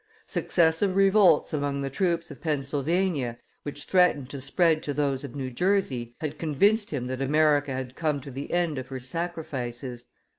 Successive revolts among the troops of Pennsylvania, which threatened to spread to those of New Jersey, had convinced him that America had come to the end of her sacrifices.